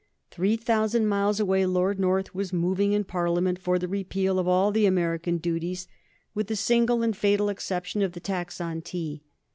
Three thousand miles away Lord North was moving in Parliament for the repeal of all the American duties with the single and fatal exception of the tax on tea.